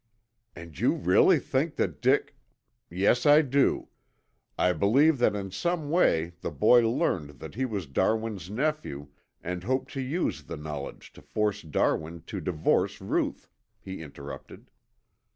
"And you really think that Dick " "Yes, I do. I believe that in some way the boy learned that he was Darwin's nephew and hoped to use the knowledge to force Darwin to divorce Ruth," he interrupted.